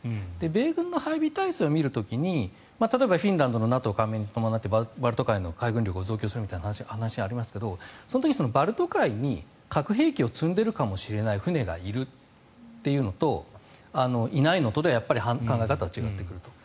米軍の配備態勢を見る時に例えば、フィンランドのＮＡＴＯ加盟に伴ってバルト海の海軍力を増強する話がありますけどその時にバルト海に、核兵器を積んでいるかもしれない船がいるというのといないのとでは、やっぱり考えが違ってくると。